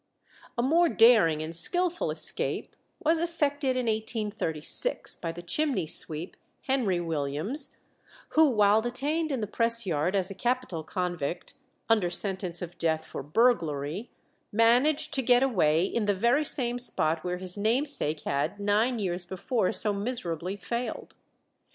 A more daring and skilful escape was effected in 1836 by the chimney sweep Henry Williams, who, while detained in the press yard as a capital convict, under sentence of death for burglary, managed to get away in the very same spot where his namesake had nine years before so miserably failed.